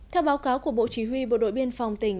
theo báo cáo của bộ chỉ huy bộ đội biên phòng tỉnh